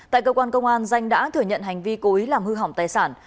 tại cơ quan công an danh đã thừa nhận hành vi cố ý làm hư hỏng tài sản